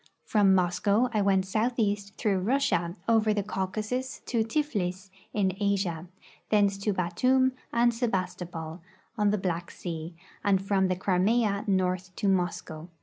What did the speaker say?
From Moscow I went southeast through Russia, over the Caucasus to Tiflis, in Asia; thence to Batoum and Sebastopol, on the Black sea, and from the Crimea north to ^Moscow.